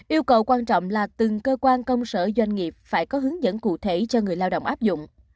yêu cầu quan trọng là từng cơ quan công sở doanh nghiệp phải có hướng dẫn cụ thể cho người lao động áp dụng